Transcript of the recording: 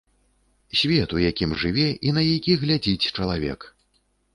Свет, у якім жыве і на які глядзіць чалавек!